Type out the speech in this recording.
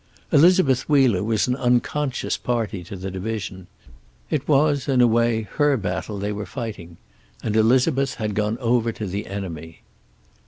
Elizabeth Wheeler was an unconscious party to the division. It was, in a way, her battle they were fighting. And Elizabeth had gone over to the enemy.